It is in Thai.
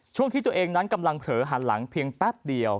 ช่วงที่ตัวเองนั้นกำลังเผลอหันหลังเพียงแป๊บเดียว